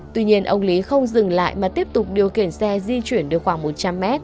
tuy nhiên ông lý không dừng lại mà tiếp tục điều khiển xe di chuyển được khoảng một trăm linh m